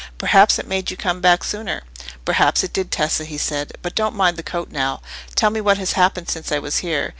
"Perhaps it made you come back sooner." "Perhaps it did, Tessa," he said. "But don't mind the coat now. Tell me what has happened since I was here.